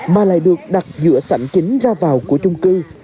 mà lại được đặt giữa sảnh chính ra vào của chung cư